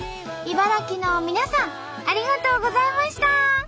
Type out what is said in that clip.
茨城の皆さんありがとうございました！